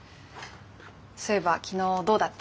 そういえば昨日どうだった？